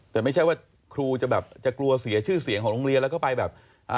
แต่ไม่ใช่ว่าครูจะแบบจะกลัวเสียชื่อเสียงของโรงเรียนแล้วก็ไปแบบ